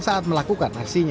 saat melakukan aksinya